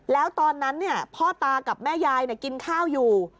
แล้วตอนนั้นพ่อตากับแม่ยายกินข้าวอยู่